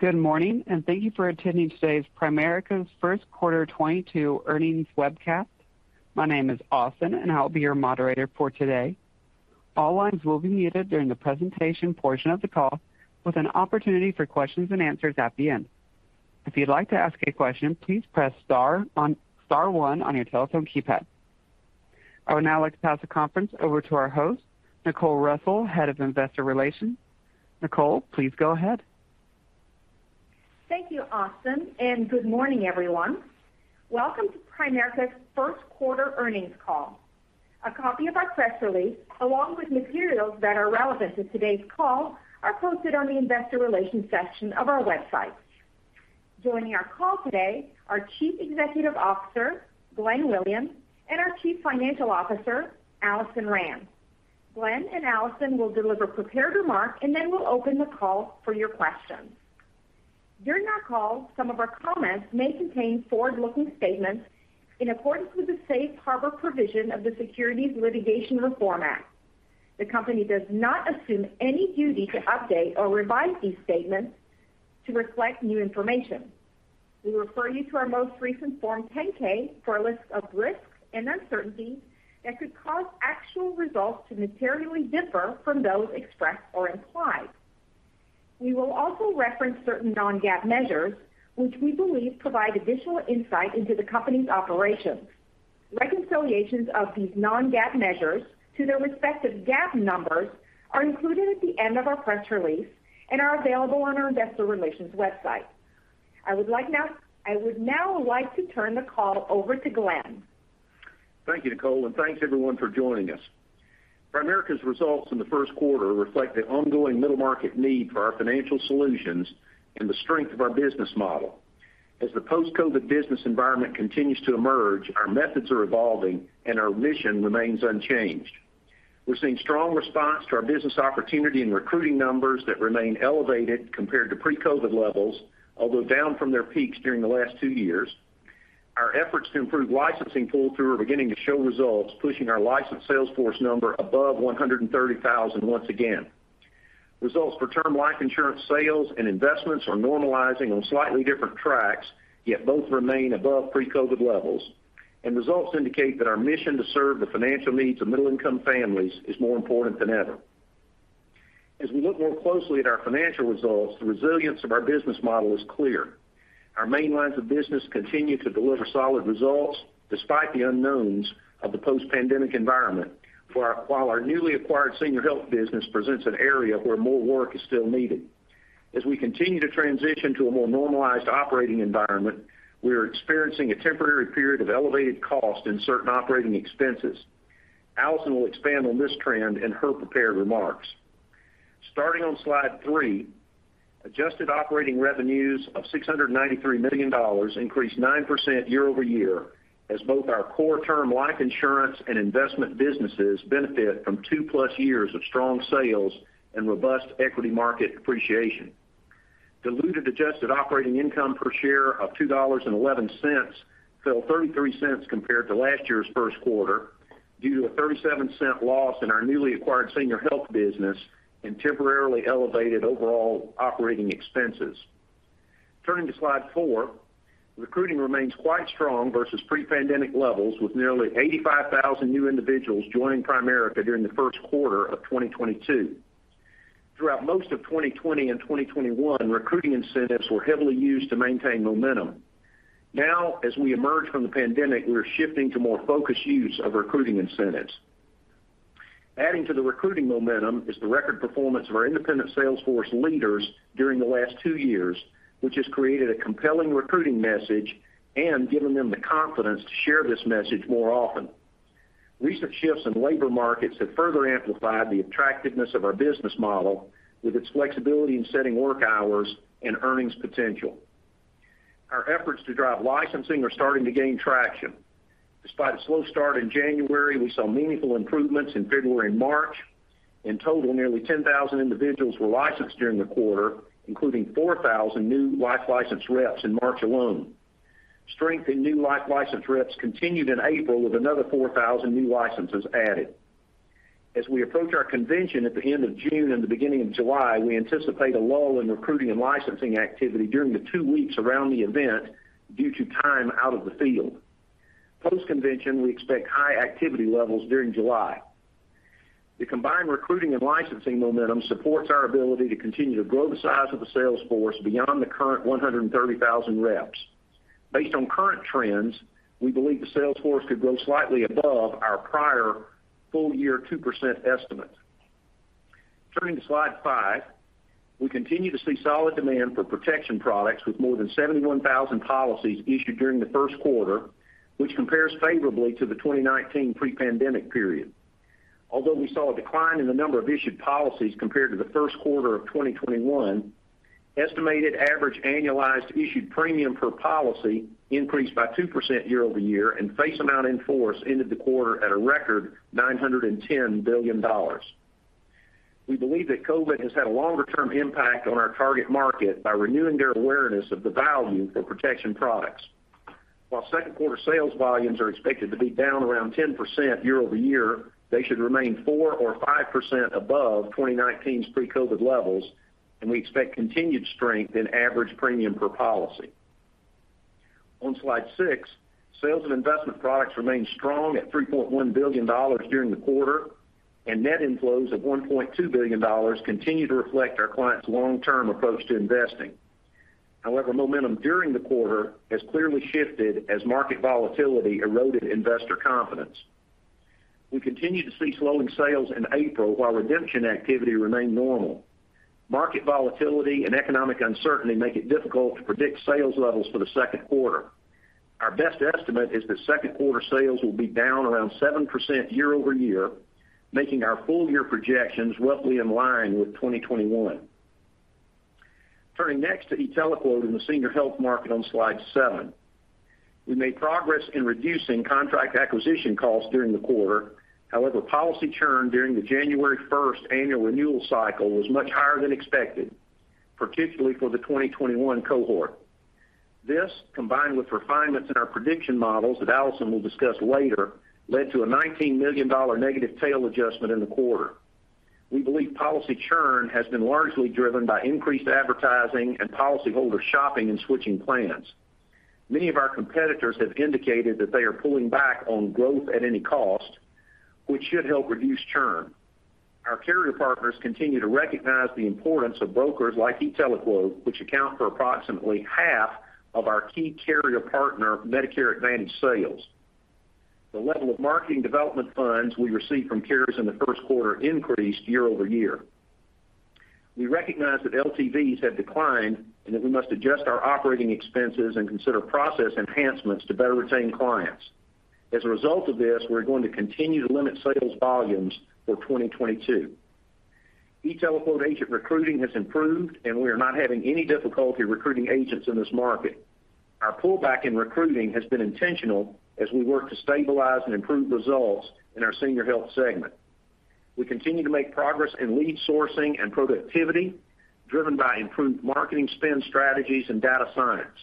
Good morning, and thank you for attending today's Primerica's first quarter 2022 earnings webcast. My name is Austin, and I'll be your moderator for today. All lines will be muted during the presentation portion of the call, with an opportunity for questions and answers at the end. If you'd like to ask a question, please press star one on your telephone keypad. I would now like to pass the conference over to our host, Nicole Russell, Head of Investor Relations. Nicole, please go ahead. Thank you, Austin, and good morning, everyone. Welcome to Primerica's first quarter earnings call. A copy of our press release, along with materials that are relevant to today's call, are posted on the investor relations section of our website. Joining our call today, our Chief Executive Officer, Glenn Williams, and our Chief Financial Officer, Alison Rand. Glenn and Alison will deliver prepared remarks, and then we'll open the call for your questions. During our call, some of our comments may contain forward-looking statements in accordance with the safe harbor provision of the Securities Litigation Reform Act. The company does not assume any duty to update or revise these statements to reflect new information. We refer you to our most recent Form 10-K for a list of risks and uncertainties that could cause actual results to materially differ from those expressed or implied. We will also reference certain non-GAAP measures, which we believe provide additional insight into the company's operations. Reconciliations of these non-GAAP measures to their respective GAAP numbers are included at the end of our press release and are available on our investor relations website. I would now like to turn the call over to Glenn. Thank you, Nicole, and thanks everyone for joining us. Primerica's results in the first quarter reflect the ongoing middle market need for our financial solutions and the strength of our business model. As the post-COVID business environment continues to emerge, our methods are evolving and our mission remains unchanged. We're seeing strong response to our business opportunity and recruiting numbers that remain elevated compared to pre-COVID levels, although down from their peaks during the last two years. Our efforts to improve licensing pull-through are beginning to show results, pushing our licensed sales force number above 130,000 once again. Results for term life insurance sales and investments are normalizing on slightly different tracks, yet both remain above pre-COVID levels. Results indicate that our mission to serve the financial needs of middle-income families is more important than ever. As we look more closely at our financial results, the resilience of our business model is clear. Our main lines of business continue to deliver solid results despite the unknowns of the post-pandemic environment. While our newly acquired Senior Health business presents an area where more work is still needed. As we continue to transition to a more normalized operating environment, we are experiencing a temporary period of elevated costs in certain operating expenses. Alison will expand on this trend in her prepared remarks. Starting on slide three, adjusted operating revenues of $693 million increased 9% year-over-year as both our core Term Life insurance and investment businesses benefit from 2+ years of strong sales and robust equity market appreciation. Diluted adjusted operating income per share of $2.11 fell $0.33 compared to last year's first quarter due to a $0.37 loss in our newly acquired Senior Health business and temporarily elevated overall operating expenses. Turning to Slide four, recruiting remains quite strong versus pre-pandemic levels, with nearly 85,000 new individuals joining Primerica during the first quarter of 2022. Throughout most of 2020 and 2021, recruiting incentives were heavily used to maintain momentum. Now, as we emerge from the pandemic, we are shifting to more focused use of recruiting incentives. Adding to the recruiting momentum is the record performance of our independent sales force leaders during the last two years, which has created a compelling recruiting message and given them the confidence to share this message more often. Recent shifts in labor markets have further amplified the attractiveness of our business model with its flexibility in setting work hours and earnings potential. Our efforts to drive licensing are starting to gain traction. Despite a slow start in January, we saw meaningful improvements in February and March. In total, nearly 10,000 individuals were licensed during the quarter, including 4,000 new life license reps in March alone. Strength in new life license reps continued in April with another 4,000 new licenses added. As we approach our convention at the end of June and the beginning of July, we anticipate a lull in recruiting and licensing activity during the two weeks around the event due to time out of the field. Post-convention, we expect high activity levels during July. The combined recruiting and licensing momentum supports our ability to continue to grow the size of the sales force beyond the current 130,000 reps. Based on current trends, we believe the sales force could grow slightly above our prior full year 2% estimate. Turning to slide five, we continue to see solid demand for protection products with more than 71,000 policies issued during the first quarter, which compares favorably to the 2019 pre-pandemic period. Although we saw a decline in the number of issued policies compared to the first quarter of 2021, estimated average annualized issued premium per policy increased by 2% year-over-year and face amount in force ended the quarter at a record $910 billion. We believe that COVID has had a longer term impact on our target market by renewing their awareness of the value for protection products. While second quarter sales volumes are expected to be down around 10% year-over-year, they should remain 4% or 5% above 2019's pre-COVID levels, and we expect continued strength in average premium per policy. On slide six, sales of investment products remained strong at $3.1 billion during the quarter, and net inflows of $1.2 billion continue to reflect our clients' long-term approach to investing. However, momentum during the quarter has clearly shifted as market volatility eroded investor confidence. We continue to see slowing sales in April while redemption activity remained normal. Market volatility and economic uncertainty make it difficult to predict sales levels for the second quarter. Our best estimate is that second quarter sales will be down around 7% year-over-year, making our full year projections roughly in line with 2021. Turning next to e-TeleQuote in the Senior Health market on slide seven. We made progress in reducing contract acquisition costs during the quarter. However, policy churn during the January 1 annual renewal cycle was much higher than expected, particularly for the 2021 cohort. This, combined with refinements in our prediction models that Alison will discuss later, led to a $19 million negative tail adjustment in the quarter. We believe policy churn has been largely driven by increased advertising and policyholder shopping and switching plans. Many of our competitors have indicated that they are pulling back on growth at any cost, which should help reduce churn. Our carrier partners continue to recognize the importance of brokers like e-TeleQuote, which account for approximately half of our key carrier partner Medicare Advantage sales. The level of marketing development funds we received from carriers in the first quarter increased year-over-year. We recognize that LTVs have declined, and that we must adjust our operating expenses and consider process enhancements to better retain clients. As a result of this, we're going to continue to limit sales volumes for 2022. e-TeleQuote agent recruiting has improved, and we are not having any difficulty recruiting agents in this market. Our pullback in recruiting has been intentional as we work to stabilize and improve results in our Senior Health segment. We continue to make progress in lead sourcing and productivity, driven by improved marketing spend strategies and data science.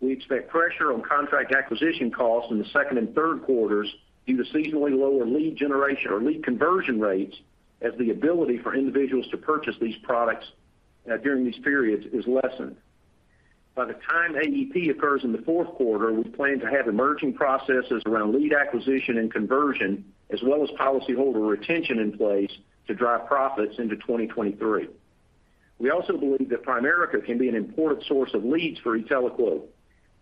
We expect pressure on contract acquisition costs in the second and third quarters due to seasonally lower lead generation or lead conversion rates as the ability for individuals to purchase these products during these periods is lessened. By the time AEP occurs in the fourth quarter, we plan to have emerging processes around lead acquisition and conversion, as well as policyholder retention in place to drive profits into 2023. We also believe that Primerica can be an important source of leads for e-TeleQuote.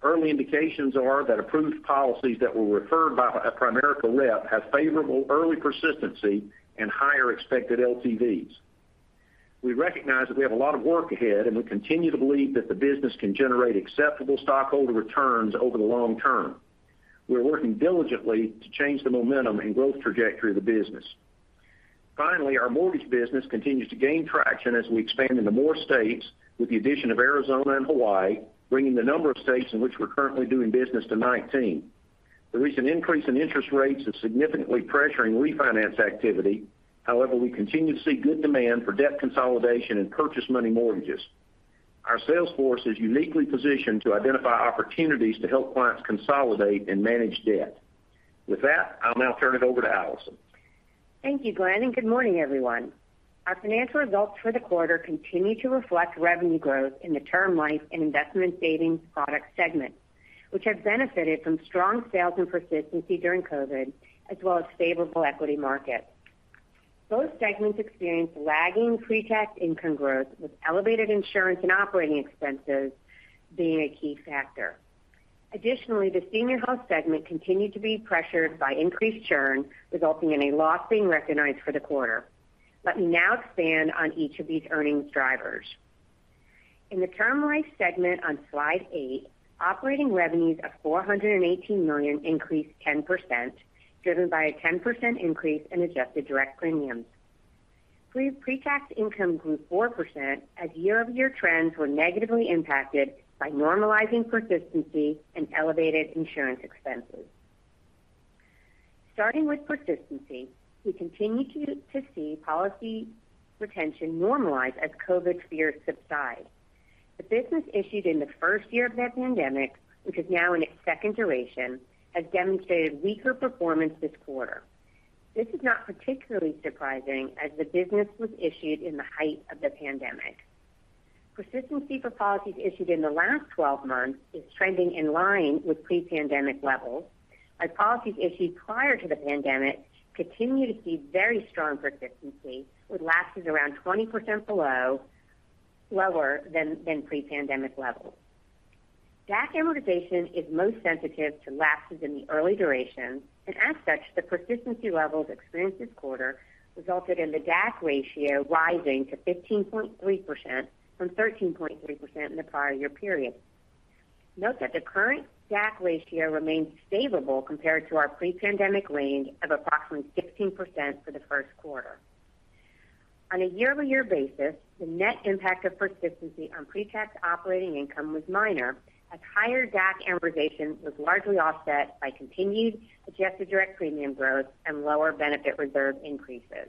Early indications are that approved policies that were referred by a Primerica rep have favorable early persistency and higher expected LTVs. We recognize that we have a lot of work ahead, and we continue to believe that the business can generate acceptable stockholder returns over the long term. We are working diligently to change the momentum and growth trajectory of the business. Finally, our mortgage business continues to gain traction as we expand into more states with the addition of Arizona and Hawaii, bringing the number of states in which we're currently doing business to 19. The recent increase in interest rates is significantly pressuring refinance activity. However, we continue to see good demand for debt consolidation and purchase money mortgages. Our sales force is uniquely positioned to identify opportunities to help clients consolidate and manage debt. With that, I'll now turn it over to Alison. Thank you, Glenn, and good morning, everyone. Our financial results for the quarter continue to reflect revenue growth in the Term Life and Investment and Savings Products segment, which have benefited from strong sales and persistency during COVID, as well as favorable equity markets. Both segments experienced lagging pre-tax income growth, with elevated insurance and operating expenses being a key factor. Additionally, the Senior Health segment continued to be pressured by increased churn, resulting in a loss being recognized for the quarter. Let me now expand on each of these earnings drivers. In the Term Life segment on slide eight, operating revenues of $418 million increased 10%, driven by a 10% increase in adjusted direct premiums. Pre-tax income grew 4% as year-over-year trends were negatively impacted by normalizing persistency and elevated insurance expenses. Starting with persistency, we continue to see policy retention normalize as COVID fears subside. The business issued in the first year of the pandemic, which is now in its second duration, has demonstrated weaker performance this quarter. This is not particularly surprising as the business was issued in the height of the pandemic. Persistency for policies issued in the last 12 months is trending in line with pre-pandemic levels, as policies issued prior to the pandemic continue to see very strong persistency, with lapses around 20% lower than pre-pandemic levels. DAC amortization is most sensitive to lapses in the early durations, and as such, the persistency levels experienced this quarter resulted in the DAC ratio rising to 15.3% from 13.3% in the prior year period. Note that the current DAC ratio remains stable compared to our pre-pandemic range of approximately 15% for the first quarter. On a year-over-year basis, the net impact of persistency on pre-tax operating income was minor, as higher DAC amortization was largely offset by continued adjusted direct premium growth and lower benefit reserve increases.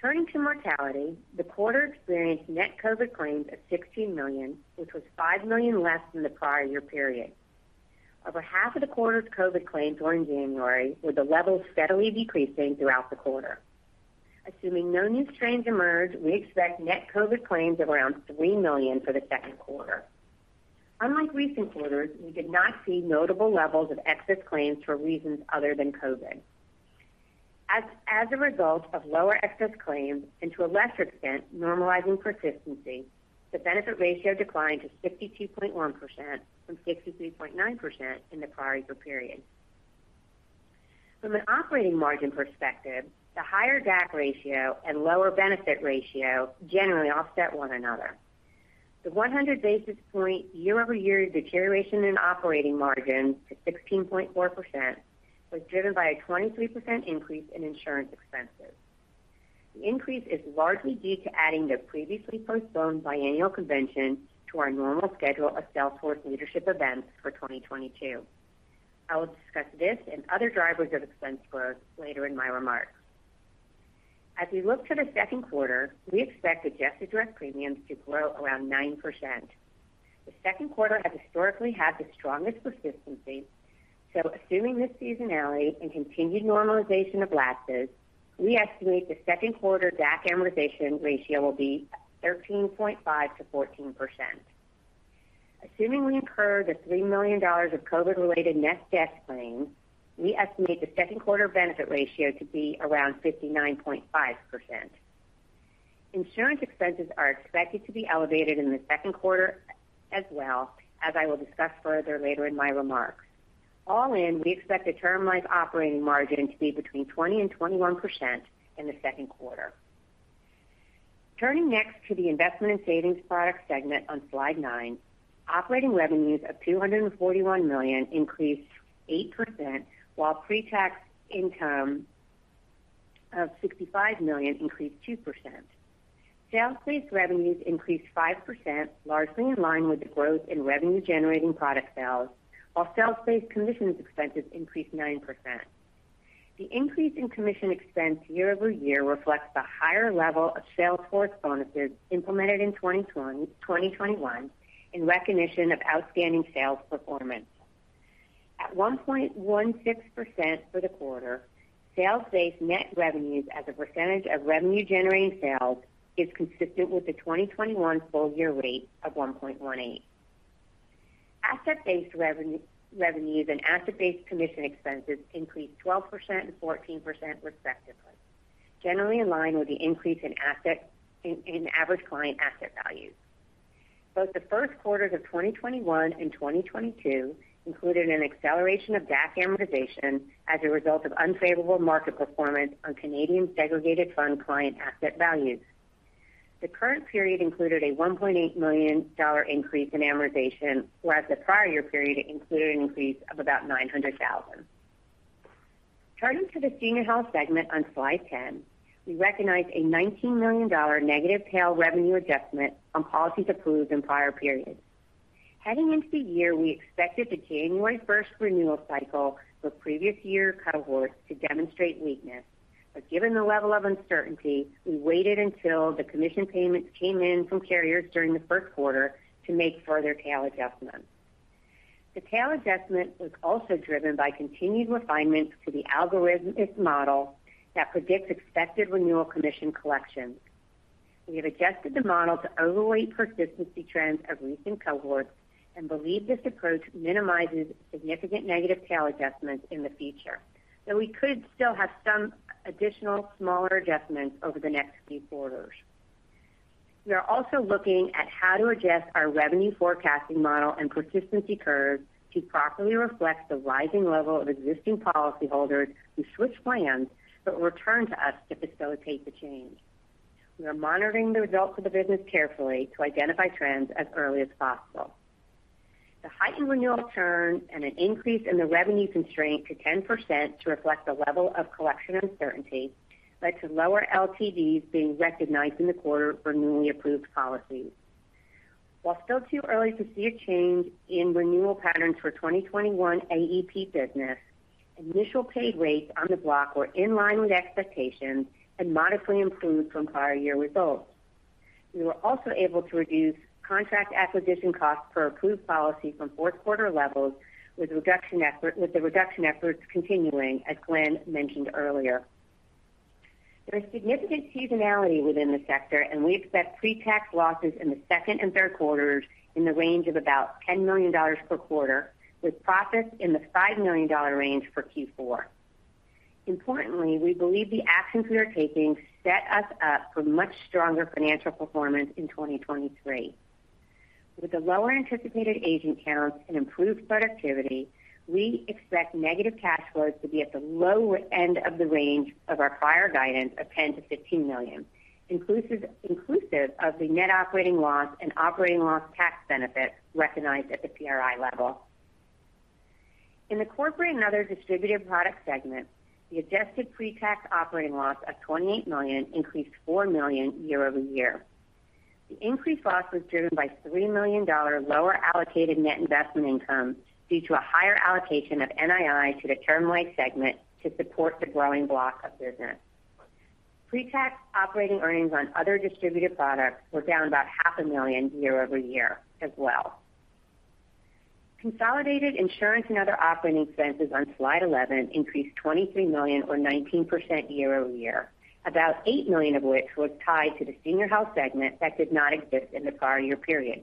Turning to mortality, the quarter experienced net COVID claims of $16 million, which was $5 million less than the prior year period. Over half of the quarter's COVID claims were in January, with the level steadily decreasing throughout the quarter. Assuming no new strains emerge, we expect net COVID claims of around $3 million for the second quarter. Unlike recent quarters, we did not see notable levels of excess claims for reasons other than COVID. As a result of lower excess claims and to a lesser extent, normalizing persistency, the benefit ratio declined to 62.1% from 63.9% in the prior year period. From an operating margin perspective, the higher DAC ratio and lower benefit ratio generally offset one another. The 100 basis point year-over-year deterioration in operating margin to 16.4% was driven by a 23% increase in insurance expenses. The increase is largely due to adding the previously postponed biennual convention to our normal schedule of sales force leadership events for 2022. I will discuss this and other drivers of expense growth later in my remarks. As we look to the second quarter, we expect adjusted direct premiums to grow around 9%. The second quarter has historically had the strongest persistency, so assuming this seasonality and continued normalization of losses, we estimate the second quarter DAC amortization ratio will be 13.5%-14%. Assuming we incur the $3 million of COVID-related net death claims, we estimate the second quarter benefit ratio to be around 59.5%. Insurance expenses are expected to be elevated in the second quarter as well, as I will discuss further later in my remarks. All in, we expect the term life operating margin to be between 20%-21% in the second quarter. Turning next to the investment and savings product segment on slide 9, operating revenues of $241 million increased 8%, while pre-tax income of $65 million increased 2%. Sales-based revenues increased 5%, largely in line with the growth in revenue-generating product sales, while sales-based commissions expenses increased 9%. The increase in commission expense year-over-year reflects the higher level of sales force bonuses implemented in 2021 in recognition of outstanding sales performance. At 1.16% for the quarter, sales-based net revenues as a percentage of revenue-generating sales is consistent with the 2021 full year rate of 1.18%. Asset-based revenues and asset-based commission expenses increased 12% and 14% respectively, generally in line with the increase in average client asset values. Both the first quarters of 2021 and 2022 included an acceleration of DAC amortization as a result of unfavorable market performance on Canadian segregated fund client asset values. The current period included a $1.8 million increase in amortization, whereas the prior year period included an increase of about $900 thousand. Turning to the Senior Health segment on slide 10, we recognized a $19 million negative tail revenue adjustment on policies approved in prior periods. Heading into the year, we expected the January 1 renewal cycle for previous year cohorts to demonstrate weakness, but given the level of uncertainty, we waited until the commission payments came in from carriers during the first quarter to make further tail adjustments. The tail adjustment was also driven by continued refinements to the algorithmic model that predicts expected renewal commission collections. We have adjusted the model to overweight persistency trends of recent cohorts and believe this approach minimizes significant negative tail adjustments in the future, though we could still have some additional smaller adjustments over the next few quarters. We are also looking at how to adjust our revenue forecasting model and persistency curves to properly reflect the rising level of existing policyholders who switch plans but return to us to facilitate the change. We are monitoring the results of the business carefully to identify trends as early as possible. The heightened renewal churn and an increase in the revenue constraint to 10% to reflect the level of collection uncertainty led to lower LTVs being recognized in the quarter for newly approved policies. While still too early to see a change in renewal patterns for 2021 AEP business, initial paid rates on the block were in line with expectations and modestly improved from prior year results. We were also able to reduce contract acquisition costs per approved policy from fourth quarter levels with reduction effort, with the reduction efforts continuing, as Glenn mentioned earlier. There is significant seasonality within the sector and we expect pre-tax losses in the second and third quarters in the range of about $10 million per quarter, with profits in the $5 million range for Q4. Importantly, we believe the actions we are taking set us up for much stronger financial performance in 2023. With the lower anticipated agent counts and improved productivity, we expect negative cash flows to be at the lower end of the range of our prior guidance of $10 million-$15 million, inclusive of the net operating loss and operating loss tax benefits recognized at the PRI level. In the corporate and other distributed product segment, the adjusted pre-tax operating loss of $28 million increased $4 million year-over-year. The increased loss was driven by $3 million lower allocated net investment income due to a higher allocation of NII to the Term Life segment to support the growing block of business. Pre-tax operating earnings on other distributed products were down about half a million year-over-year as well. Consolidated insurance and other operating expenses on slide 11 increased $23 million or 19% year-over-year, about $8 million of which was tied to the Senior Health segment that did not exist in the prior year period.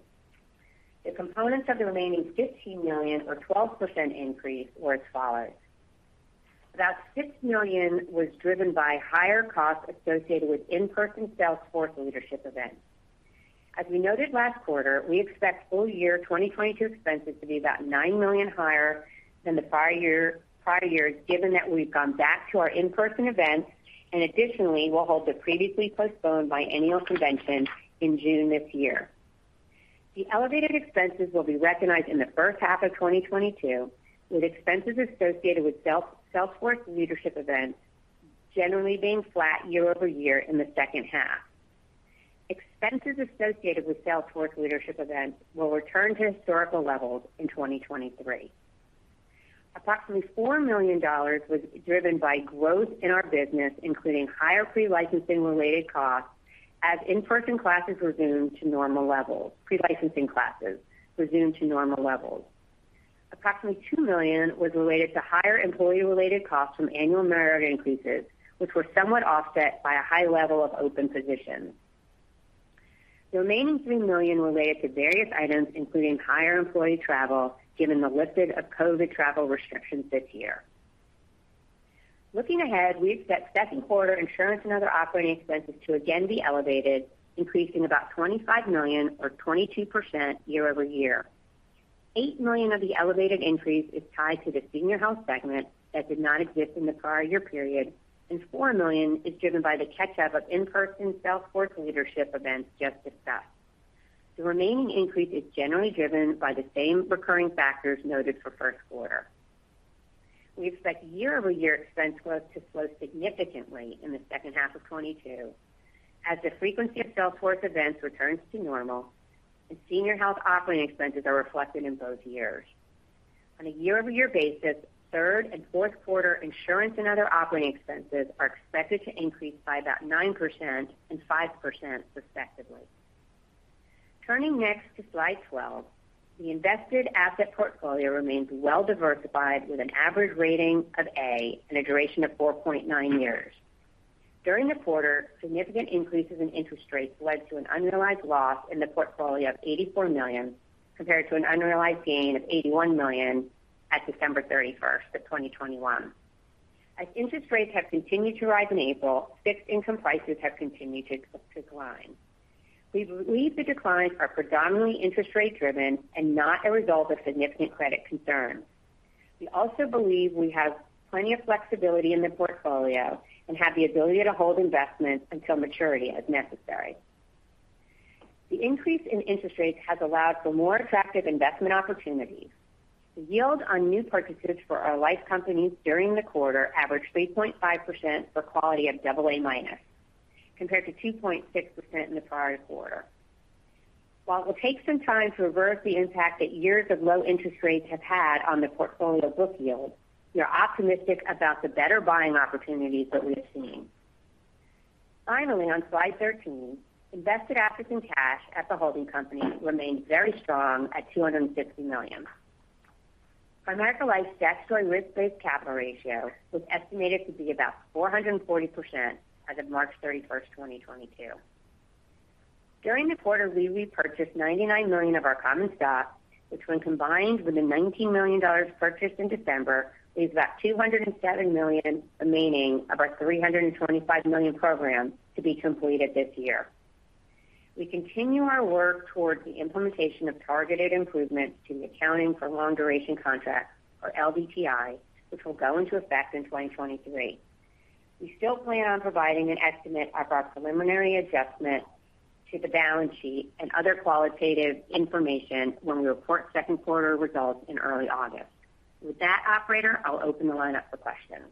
The components of the remaining $15 million or 12% increase were as follows. About $6 million was driven by higher costs associated with in-person sales force leadership events. As we noted last quarter, we expect full year 2022 expenses to be about $9 million higher than the prior year, prior years, given that we've gone back to our in-person events and additionally, we'll hold the previously postponed biennial convention in June this year. The elevated expenses will be recognized in the first half of 2022, with expenses associated with sales force leadership events generally being flat year-over-year in the second half. Expenses associated with sales force leadership events will return to historical levels in 2023. Approximately $4 million was driven by growth in our business, including higher pre-licensing related costs as in-person classes resume to normal levels. Approximately $2 million was related to higher employee-related costs from annual merit increases, which were somewhat offset by a high level of open positions. The remaining $3 million related to various items, including higher employee travel, given the lifting of COVID travel restrictions this year. Looking ahead, we expect second quarter insurance and other operating expenses to again be elevated, increasing about $25 million or 22% year-over-year. $8 million of the elevated increase is tied to the Senior Health segment that did not exist in the prior year period and $4 million is driven by the catch-up of in-person sales force leadership events just discussed. The remaining increase is generally driven by the same recurring factors noted for first quarter. We expect year-over-year expense growth to slow significantly in the second half of 2022 as the frequency of sales force events returns to normal and Senior Health operating expenses are reflected in both years. On a year-over-year basis, third and fourth quarter insurance and other operating expenses are expected to increase by about 9% and 5%, respectively. Turning next to slide 12. The invested asset portfolio remains well diversified with an average rating of A and a duration of 4.9 years. During the quarter, significant increases in interest rates led to an unrealized loss in the portfolio of $84 million, compared to an unrealized gain of $81 million at December 31, 2021. As interest rates have continued to rise in April, fixed income prices have continued to decline. We believe the declines are predominantly interest rate driven and not a result of significant credit concern. We also believe we have plenty of flexibility in the portfolio and have the ability to hold investments until maturity as necessary. The increase in interest rates has allowed for more attractive investment opportunities. The yield on new purchases for our life companies during the quarter averaged 3.5% for quality of double A minus, compared to 2.6% in the prior quarter. While it will take some time to reverse the impact that years of low interest rates have had on the portfolio book yield, we are optimistic about the better buying opportunities that we're seeing. Finally, on slide 13, invested assets and cash at the holding company remains very strong at $250 million. Primerica Life Insurance Company's statutory risk-based capital ratio was estimated to be about 440% as of March 31, 2022. During the quarter, we repurchased $99 million of our common stock, which, when combined with the $19 million purchased in December, leaves about $207 million remaining of our $325 million program to be completed this year. We continue our work towards the implementation of targeted improvements to the accounting for long duration contracts, or LDTI, which will go into effect in 2023. We still plan on providing an estimate of our preliminary adjustment to the balance sheet and other qualitative information when we report second quarter results in early August. With that, operator, I'll open the line up for questions.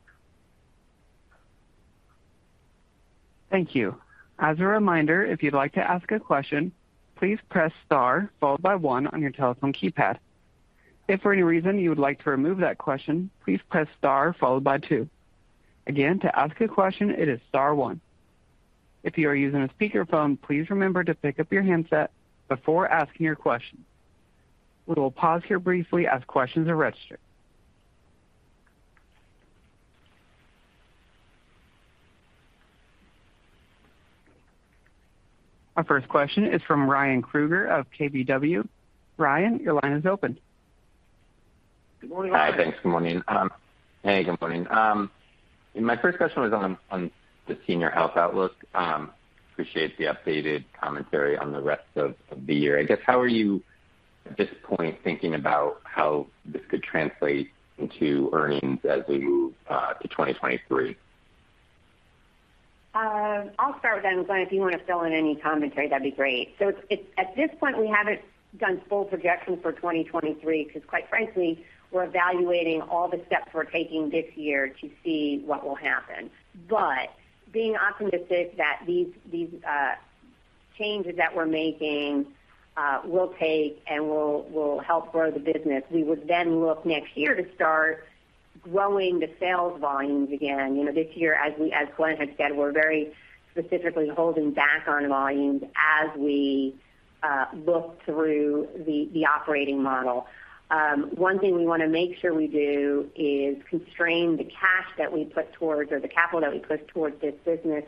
Thank you. As a reminder, if you'd like to ask a question, please press star followed by one on your telephone keypad. If for any reason you would like to remove that question, please press star followed by two. Again, to ask a question, it is star one. If you are using a speakerphone, please remember to pick up your handset before asking your question. We will pause here briefly as questions are registered. Our first question is from Ryan Krueger of KBW. Ryan, your line is open. Good morning. Hi. Thanks. Good morning. Hey, good morning. My first question was on the Senior Health outlook. Appreciate the updated commentary on the rest of the year. I guess, how are you at this point thinking about how this could translate into earnings as we move to 2023? I'll start with that and Glenn, if you want to fill in any commentary, that'd be great. At this point, we haven't done full projections for 2023 because quite frankly, we're evaluating all the steps we're taking this year to see what will happen. Being optimistic that these changes that we're making will take and will help grow the business. We would then look next year to start growing the sales volumes again. You know, this year, as Glenn has said, we're very specifically holding back on volumes as we look through the operating model. One thing we want to make sure we do is constrain the cash that we put towards or the capital that we put towards this business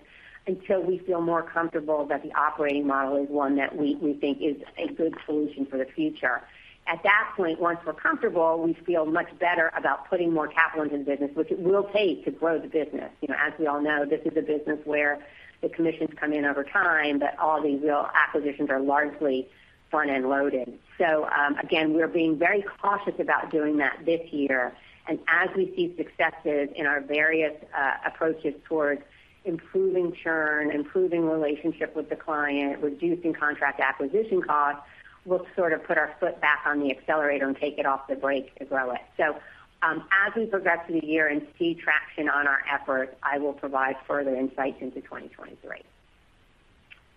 until we feel more comfortable that the operating model is one that we think is a good solution for the future. At that point, once we're comfortable, we feel much better about putting more capital into the business, which it will take to grow the business. You know, as we all know, this is a business where the commissions come in over time, but all the real acquisitions are largely front-end loaded. Again, we're being very cautious about doing that this year. As we see successes in our various approaches towards improving churn, improving relationship with the client, reducing contract acquisition costs, we'll sort of put our foot back on the accelerator and take it off the brake to grow it. As we progress through the year and see traction on our efforts, I will provide further insights into 2023.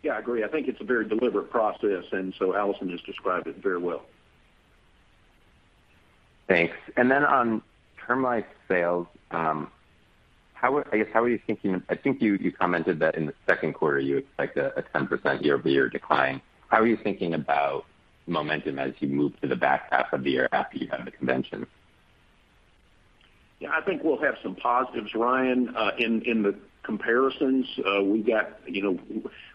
Yeah, I agree. I think it's a very deliberate process, and so Alison just described it very well. Thanks. On Term Life sales, I guess, how are you thinking? I think you commented that in the second quarter, you expect a 10% year-over-year decline. How are you thinking about momentum as you move to the back half of the year after you have the convention? Yeah, I think we'll have some positives, Ryan, in the comparisons. We've got, you know,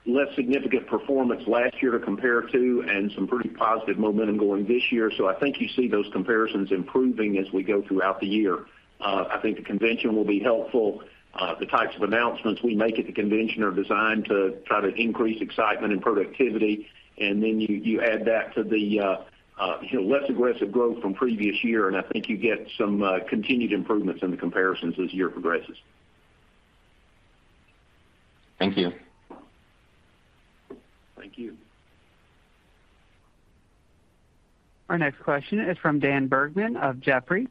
less significant performance last year to compare to and some pretty positive momentum going this year. I think you see those comparisons improving as we go throughout the year. I think the convention will be helpful. The types of announcements we make at the convention are designed to try to increase excitement and productivity. You add that to the, you know, less aggressive growth from previous year and I think you get some continued improvements in the comparisons as the year progresses. Thank you. Thank you. Our next question is from Daniel Bergman of Jefferies.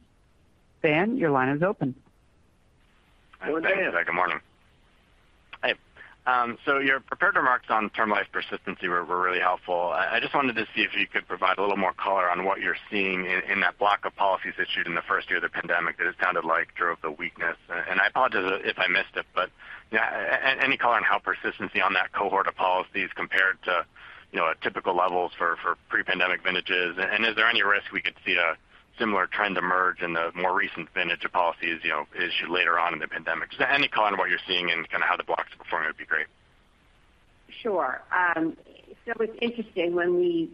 Dan, your line is open. Go, Dan. Good morning. Hi. So your prepared remarks on Term Life persistency were really helpful. I just wanted to see if you could provide a little more color on what you're seeing in that block of policies issued in the first year of the pandemic that it sounded like drove the weakness. I apologize if I missed it, but yeah, any color on how persistency on that cohort of policies compared to, you know, typical levels for pre-pandemic vintages? Is there any risk we could see a similar trend emerge in the more recent vintage of policies, you know, issued later on in the pandemic? Just any color on what you're seeing and kind of how the blocks are performing would be great. Sure. It's interesting when we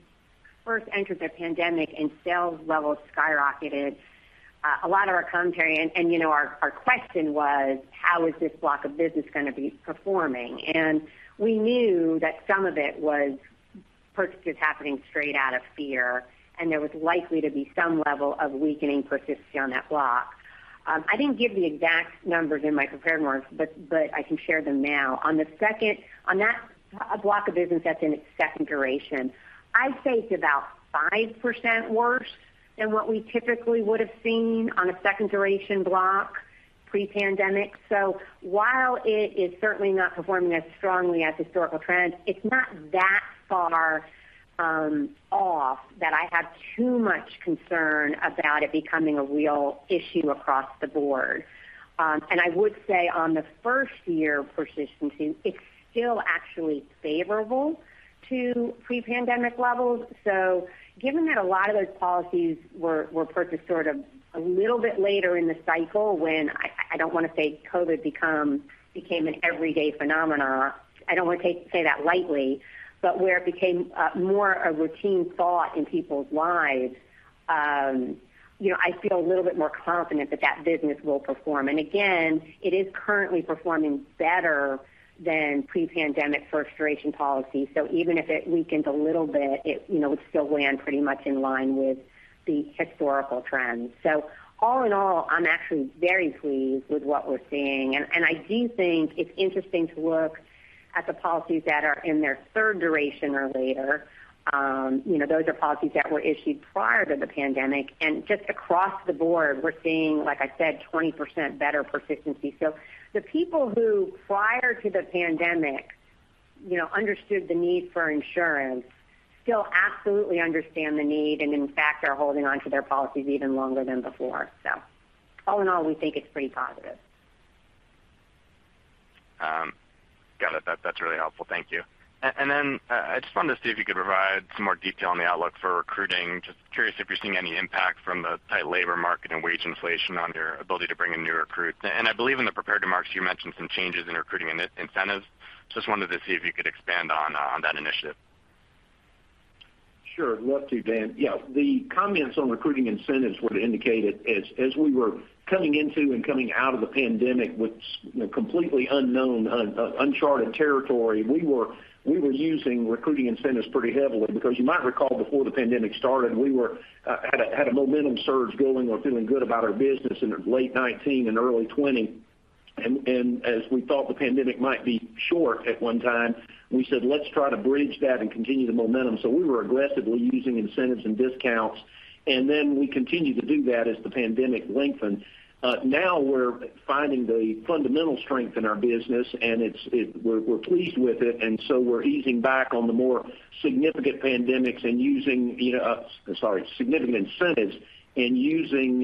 first entered the pandemic and sales levels skyrocketed, a lot of our commentary and you know, our question was, how is this block of business going to be performing? We knew that some of it was purchases happening straight out of fear, and there was likely to be some level of weakening persistency on that block. I didn't give the exact numbers in my prepared remarks, but I can share them now. On that block of business that's in its second duration, I'd say it's about 5% worse than what we typically would have seen on a second duration block pre-pandemic. While it is certainly not performing as strongly as historical trends, it's not that far off that I have too much concern about it becoming a real issue across the board. I would say on the first year persistency, it's still actually favorable to pre-pandemic levels. Given that a lot of those policies were purchased sort of a little bit later in the cycle when I don't want to say COVID became an everyday phenomenon, I don't want to say that lightly, but where it became more a routine thought in people's lives, you know, I feel a little bit more confident that that business will perform. Again, it is currently performing better than pre-pandemic first duration policy. Even if it weakens a little bit, it, you know, would still land pretty much in line with the historical trends. All in all, I'm actually very pleased with what we're seeing. I do think it's interesting to look at the policies that are in their third duration or later. You know, those are policies that were issued prior to the pandemic. Just across the board, we're seeing, like I said, 20% better persistency. The people who prior to the pandemic, you know, understood the need for insurance still absolutely understand the need and in fact, are holding onto their policies even longer than before. All in all, we think it's pretty positive. Got it. That's really helpful. Thank you. I just wanted to see if you could provide some more detail on the outlook for recruiting. Just curious if you're seeing any impact from the tight labor market and wage inflation on your ability to bring in new recruits. I believe in the prepared remarks, you mentioned some changes in recruiting incentives. Just wanted to see if you could expand on that initiative. Sure. I'd love to, Dan. Yeah, the comments on recruiting incentives would indicate it as we were coming into and coming out of the pandemic, which, you know, completely unknown, uncharted territory, we were using recruiting incentives pretty heavily because you might recall before the pandemic started, we had a momentum surge going or feeling good about our business in late 2019 and early 2020. As we thought the pandemic might be short at one time, we said, let's try to bridge that and continue the momentum. We were aggressively using incentives and discounts, and then we continued to do that as the pandemic lengthened. Now we're finding the fundamental strength in our business, and we're pleased with it, and so we're easing back on the more significant incentives and using, you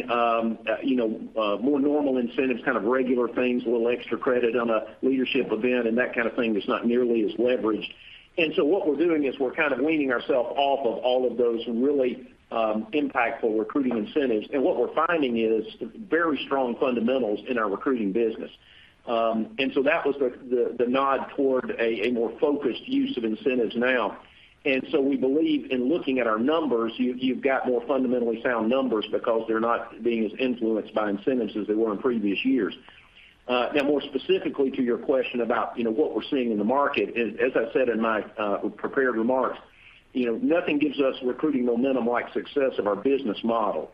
know, more normal incentives, kind of regular things, a little extra credit on a leadership event and that kind of thing that's not nearly as leveraged. What we're doing is we're kind of weaning ourselves off of all of those really impactful recruiting incentives. What we're finding is very strong fundamentals in our recruiting business. That was the nod toward a more focused use of incentives now. We believe in looking at our numbers, you've got more fundamentally sound numbers because they're not being as influenced by incentives as they were in previous years. Now more specifically to your question about, you know, what we're seeing in the market, as I said in my prepared remarks, you know, nothing gives us recruiting momentum like success of our business model.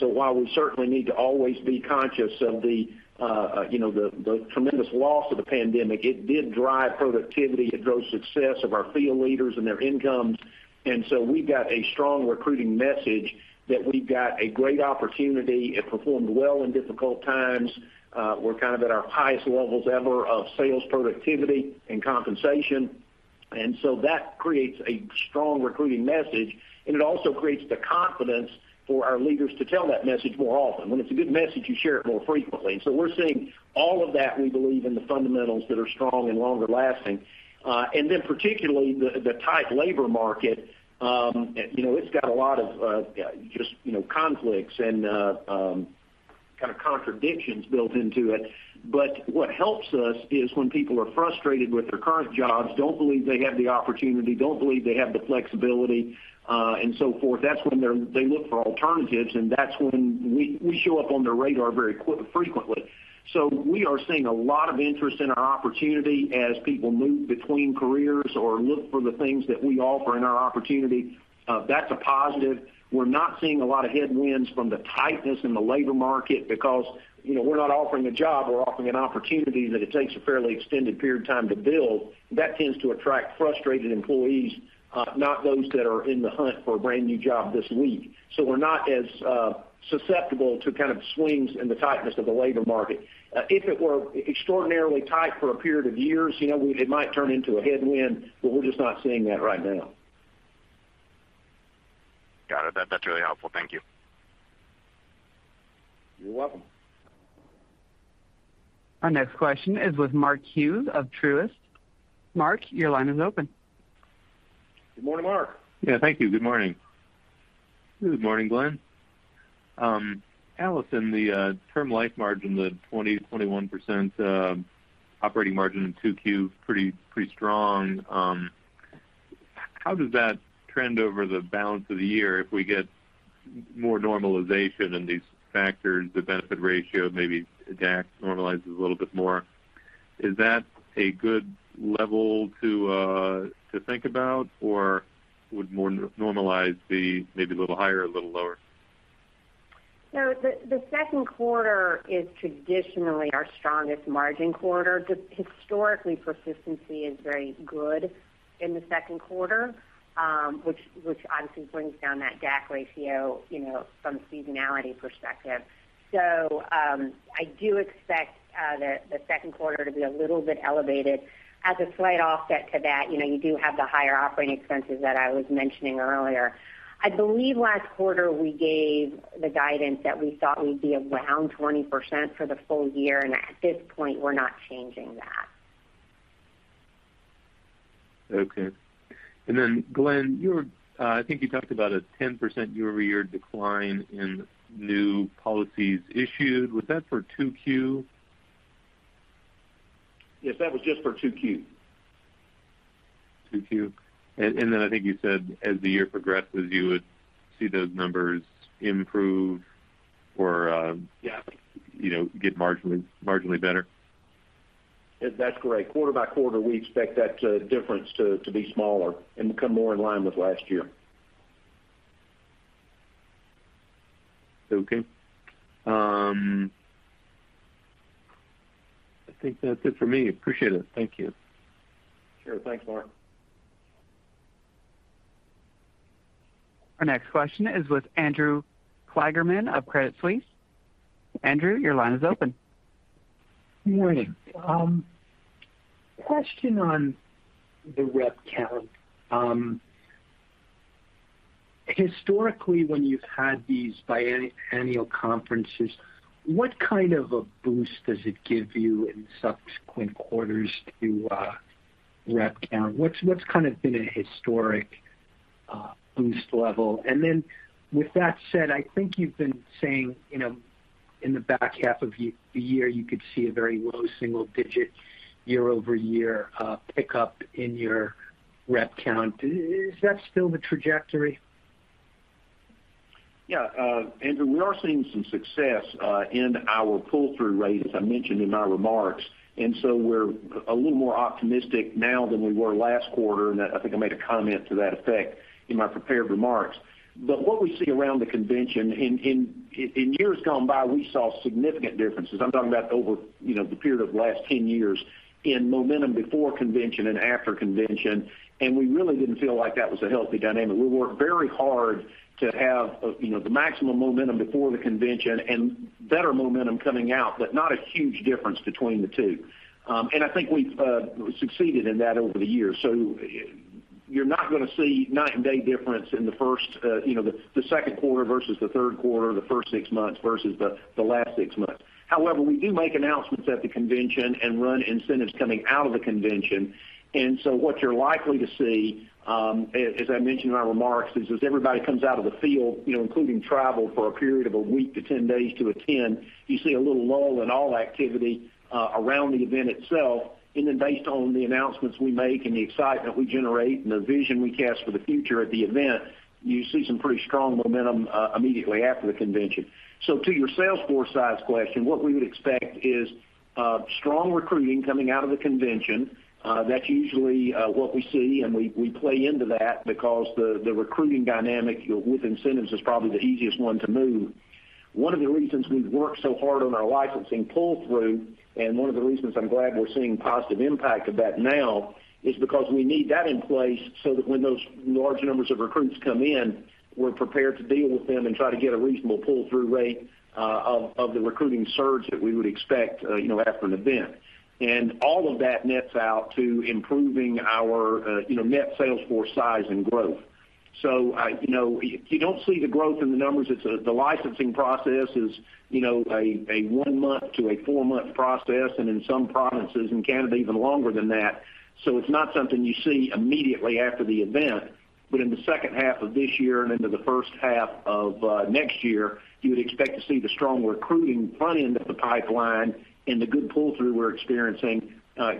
While we certainly need to always be conscious of the, you know, the tremendous loss of the pandemic, it did drive productivity. It drove success of our field leaders and their incomes. We've got a strong recruiting message that we've got a great opportunity. It performed well in difficult times. We're kind of at our highest levels ever of sales productivity and compensation. That creates a strong recruiting message, and it also creates the confidence for our leaders to tell that message more often. When it's a good message, you share it more frequently. We're seeing all of that, we believe, in the fundamentals that are strong and longer lasting. Particularly the tight labor market, you know, it's got a lot of you know, conflicts and kind of contradictions built into it. What helps us is when people are frustrated with their current jobs, don't believe they have the opportunity, don't believe they have the flexibility, and so forth, that's when they look for alternatives, and that's when we show up on their radar very frequently. We're seeing a lot of interest in our opportunity as people move between careers or look for the things that we offer in our opportunity. That's a positive. We're not seeing a lot of headwinds from the tightness in the labor market because, you know, we're not offering a job. We're offering an opportunity that it takes a fairly extended period of time to build. That tends to attract frustrated employees, not those that are in the hunt for a brand-new job this week. We're not as susceptible to kind of swings in the tightness of the labor market. If it were extraordinarily tight for a period of years, you know, it might turn into a headwind, but we're just not seeing that right now. Got it. That's really helpful. Thank you. You're welcome. Our next question is with Mark Hughes of Truist. Mark, your line is open. Good morning, Mark. Yeah, thank you. Good morning. Good morning, Glenn. Alison, the Term Life margin, the 20%-21% operating margin in 2Q, pretty strong. How does that trend over the balance of the year if we get more normalization in these factors, the benefit ratio, maybe DAC normalizes a little bit more? Is that a good level to think about, or would more normalization be maybe a little higher, a little lower? No, the second quarter is traditionally our strongest margin quarter. Historically, persistency is very good in the second quarter, which obviously brings down that DAC ratio, you know, from a seasonality perspective. I do expect the second quarter to be a little bit elevated. As a slight offset to that, you know, you do have the higher operating expenses that I was mentioning earlier. I believe last quarter we gave the guidance that we thought we'd be around 20% for the full year, and at this point, we're not changing that. Okay. Glenn, you were, I think you talked about a 10% year-over-year decline in new policies issued. Was that for 2Q? Yes, that was just for 2Q. 2Q. I think you said as the year progresses, you would see those numbers improve or Yeah. You know, get marginally better. That's correct. Quarter by quarter, we expect that difference to be smaller and become more in line with last year. Okay. I think that's it for me. Appreciate it. Thank you. Sure. Thanks, Mark. Our next question is with Andrew Kligerman of Credit Suisse. Andrew, your line is open. Good morning. Question on the rep count. Historically, when you've had these biennial conferences, what kind of a boost does it give you in subsequent quarters to rep count? What's kind of been a historic boost level? With that said, I think you've been saying, you know, in the back half of the year, you could see a very low single digit year-over-year pickup in your rep count. Is that still the trajectory? Yeah, Andrew, we are seeing some success in our pull-through rate, as I mentioned in my remarks. We're a little more optimistic now than we were last quarter, and I think I made a comment to that effect in my prepared remarks. What we see around the convention in years gone by, we saw significant differences. I'm talking about over, you know, the period of the last 10 years in momentum before convention and after convention. We really didn't feel like that was a healthy dynamic. We worked very hard to have, you know, the maximum momentum before the convention and better momentum coming out, but not a huge difference between the two. I think we've succeeded in that over the years. You're not gonna see night and day difference in the first, the second quarter versus the third quarter, the first six months versus the last six months. However, we do make announcements at the convention and run incentives coming out of the convention. What you're likely to see, as I mentioned in my remarks, is as everybody comes out of the field, including travel for a period of a week to 10 days to attend, you see a little lull in all activity around the event itself. Based on the announcements we make and the excitement we generate and the vision we cast for the future at the event, you see some pretty strong momentum immediately after the convention. To your sales force size question, what we would expect is strong recruiting coming out of the convention. That's usually what we see, and we play into that because the recruiting dynamic with incentives is probably the easiest one to move. One of the reasons we've worked so hard on our licensing pull-through, and one of the reasons I'm glad we're seeing positive impact of that now is because we need that in place so that when those large numbers of recruits come in, we're prepared to deal with them and try to get a reasonable pull-through rate of the recruiting surge that we would expect, you know, after an event. All of that nets out to improving our net sales force size and growth. You know, you don't see the growth in the numbers. The licensing process is, you know, a one month to a four month process, and in some provinces in Canada, even longer than that. It's not something you see immediately after the event. In the second half of this year and into the first half of next year, you would expect to see the strong recruiting front end of the pipeline and the good pull-through we're experiencing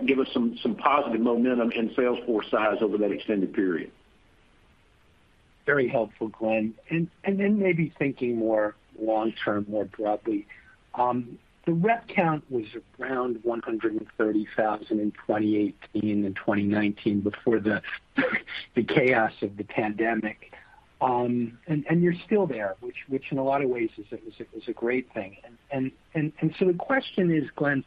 give us some positive momentum in sales force size over that extended period. Very helpful, Glenn. Then maybe thinking more long term, more broadly. The rep count was around 130,000 in 2018 and 2019 before the chaos of the pandemic. You're still there, which in a lot of ways is a great thing. The question is, Glenn,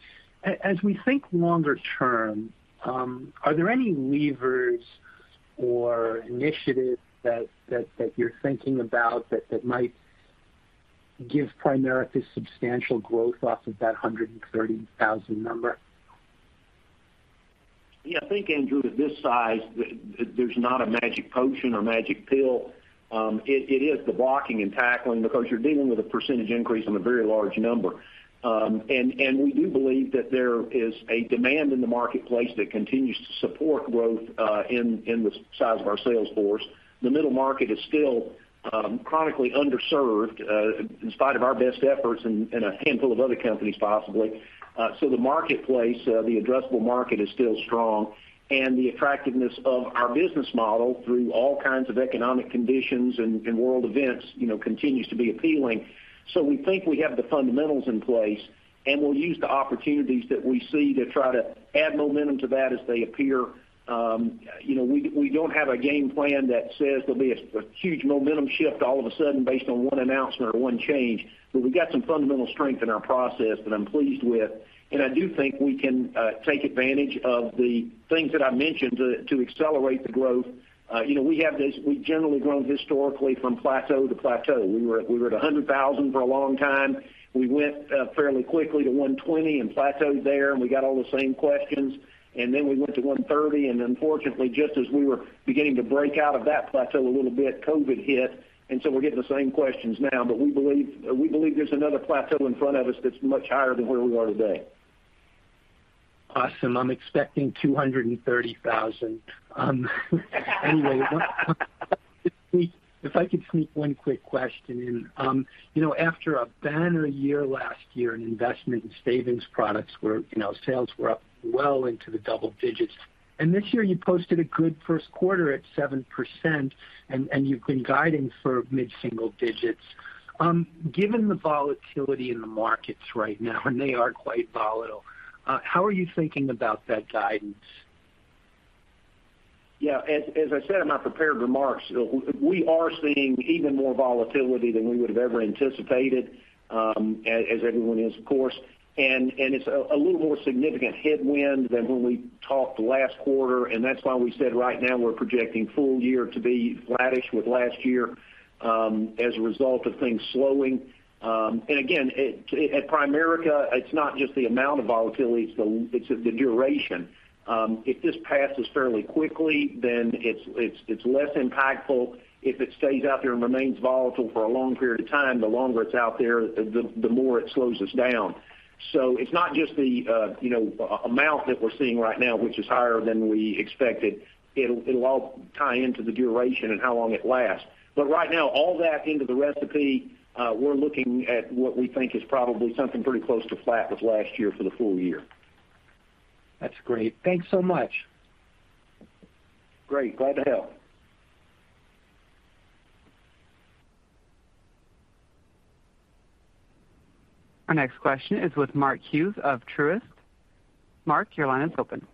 as we think longer term, are there any levers or initiatives that you're thinking about that might give Primerica substantial growth off of that 130,000 number? Yeah, I think, Andrew, at this size, there's not a magic potion or magic pill. It is the blocking and tackling because you're dealing with a percentage increase on a very large number. We do believe that there is a demand in the marketplace that continues to support growth in the size of our sales force. The middle market is still chronically underserved in spite of our best efforts and a handful of other companies, possibly. The marketplace, the addressable market is still strong, and the attractiveness of our business model through all kinds of economic conditions and world events, you know, continues to be appealing. We think we have the fundamentals in place, and we'll use the opportunities that we see to try to add momentum to that as they appear. You know, we don't have a game plan that says there'll be a huge momentum shift all of a sudden based on one announcement or one change, but we've got some fundamental strength in our process that I'm pleased with, and I do think we can take advantage of the things that I mentioned to accelerate the growth. You know, we've generally grown historically from plateau to plateau. We were at 100,000 for a long time. We went fairly quickly to 120 and plateaued there, and we got all the same questions. Then we went to 130, and unfortunately, just as we were beginning to break out of that plateau a little bit, COVID hit. We're getting the same questions now, but we believe there's another plateau in front of us that's much higher than where we are today. Awesome. I'm expecting 230,000. Anyway, if I could sneak one quick question in. You know, after a banner year last year in Investment and Savings Products where, you know, sales were up well into the double digits. This year you posted a good first quarter at 7%, and you've been guiding for mid-single digits. Given the volatility in the markets right now, and they are quite volatile, how are you thinking about that guidance? Yeah, as I said in my prepared remarks, we are seeing even more volatility than we would have ever anticipated, as everyone is, of course. It's a little more significant headwind than when we talked last quarter. That's why we said right now we're projecting full year to be flattish with last year, as a result of things slowing. Again, at Primerica, it's not just the amount of volatility, it's the duration. If this passes fairly quickly, then it's less impactful. If it stays out there and remains volatile for a long period of time, the longer it's out there, the more it slows us down. It's not just the amount that we're seeing right now, which is higher than we expected. It'll all tie into the duration and how long it lasts. Right now, all that into the recipe, we're looking at what we think is probably something pretty close to flat with last year for the full year. That's great. Thanks so much. Great. Glad to help. Our next question is with Mark Hughes of Truist. Mark, your line is open.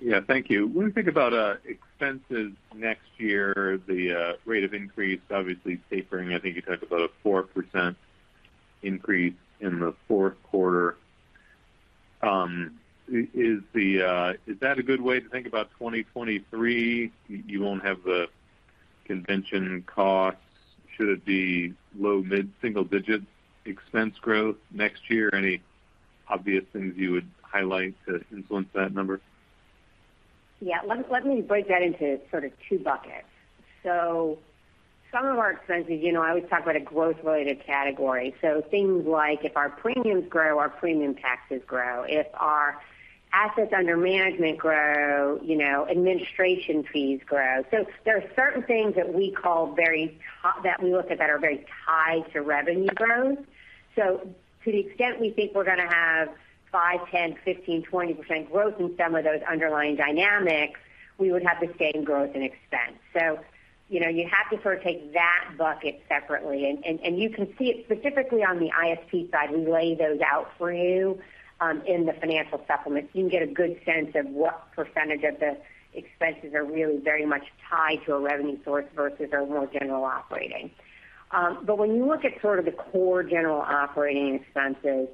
Yeah, thank you. When we think about expenses next year, the rate of increase obviously tapering. I think you talked about a 4% increase in the fourth quarter. Is that a good way to think about 2023? You won't have the convention costs. Should it be low, mid-single digit expense growth next year? Any obvious things you would highlight to influence that number? Yeah. Let me break that into sort of two buckets. Some of our expenses, you know, I always talk about a growth related category. Things like if our premiums grow, our premium taxes grow. If our assets under management grow, you know, administration fees grow. There are certain things that we call that we look at that are very tied to revenue growth. To the extent we think we're going to have five, 10, 15, 20% growth in some of those underlying dynamics, we would have the same growth and expense. You know, you have to sort of take that bucket separately and you can see it specifically on the ISP side. We lay those out for you in the financial supplements. You can get a good sense of what percentage of the expenses are really very much tied to a revenue source versus our more general operating. When you look at sort of the core general operating expenses,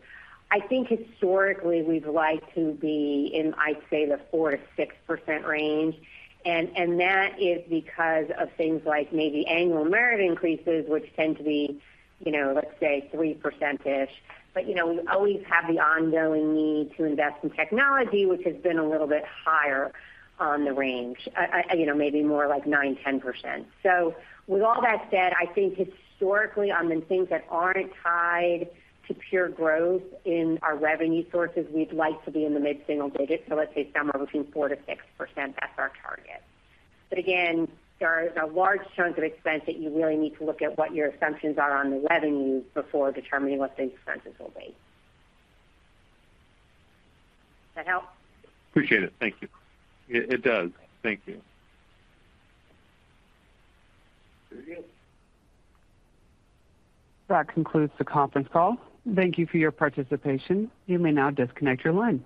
I think historically we'd like to be in, I'd say, the 4%-6% range. That is because of things like maybe annual merit increases, which tend to be, you know, let's say 3%-ish. You know, we always have the ongoing need to invest in technology, which has been a little bit higher on the range, you know, maybe more like 9%-10%. With all that said, I think historically on the things that aren't tied to pure growth in our revenue sources, we'd like to be in the mid-single digits. Let's say somewhere between 4%-6%, that's our target. Again, there is a large chunk of expense that you really need to look at what your assumptions are on the revenue before determining what the expenses will be. That help? Appreciate it. Thank you. It does. Thank you. Very good. That concludes the conference call. Thank you for your participation. You may now disconnect your line.